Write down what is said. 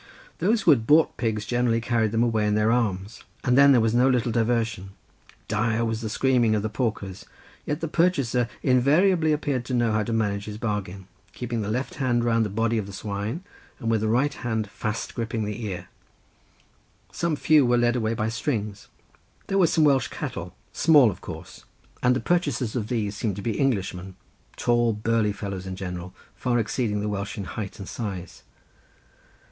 Those who bought pigs generally carried them away in their arms; and then there was no little diversion; dire was the screaming of the porkers, yet the purchaser invariably appeared to know how to manage his bargain, keeping the left arm round the body of the swine and with the right hand fast griping the ear—some few were led away by strings. There were some Welsh cattle, small of course, and the purchasers of these seemed to be Englishmen, tall burly fellows in general, far exceeding the Welsh in height and size.